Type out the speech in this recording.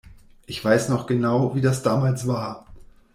Ich weiß noch genau, wie das damals war.